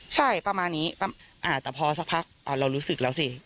ใช่ประมาณนี้แต่พอสักพักเรารู้สึกแล้วสิ